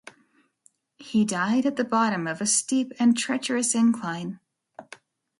He died at the bottom of a steep and treacherous incline.